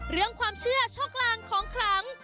เรื่องความเชื่อโชคลางของขลัง